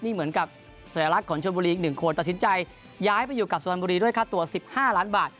นี่เหมือนกับสัญลักษณ์ของชนบุรีอีก๑คนตัดสินใจย้ายไปอยู่กับสุพรรณบุรีด้วยค่าตัว๑๕ล้านบาท